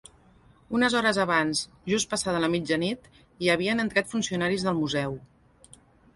Unes hores abans, just passada la mitjanit, hi havien entrat funcionaris del museu.